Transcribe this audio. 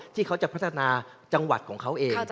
ที่เขาจะพัฒนาจังหวัดของเขาเอง